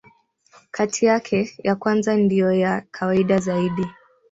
Kati yake, ya kwanza ndiyo ya kawaida zaidi.